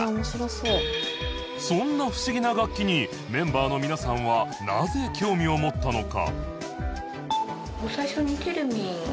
そんな不思議な楽器にメンバーの皆さんはなぜ興味を持ったのか？